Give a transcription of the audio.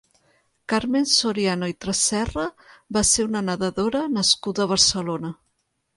Carmen Soriano i Tresserra va ser una nedadora nascuda a Barcelona.